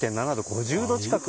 ５０度近く。